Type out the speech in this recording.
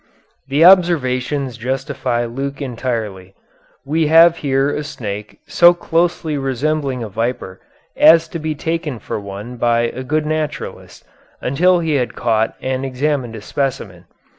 The observations justify Luke entirely. We have here a snake so closely resembling a viper as to be taken for one by a good naturalist until he had caught and examined a specimen.